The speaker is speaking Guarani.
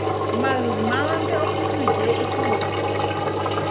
Maymávante okyhyje ichugui.